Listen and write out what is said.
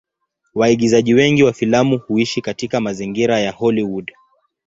Waigizaji wengi wa filamu huishi katika mazingira ya Hollywood.